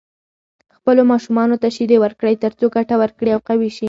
خپلو ماشومانو ته شيدې ورکړئ تر څو ګټه ورکړي او قوي شي.